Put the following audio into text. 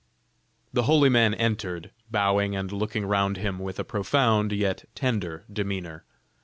The holy man entered, bowing and looking round him, with a profound, yet tender demeanor.